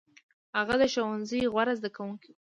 هغه د ښوونځي غوره زده کوونکی و.